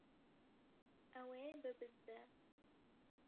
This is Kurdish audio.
Ew ê bibizde.